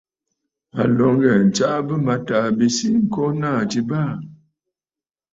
À lǒ ŋghɛ̀ɛ̀ ǹtsaʼa bɨ̂mâtaà bi sii ŋko naà ji baà.